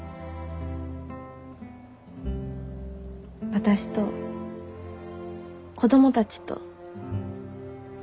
私と子供たちと。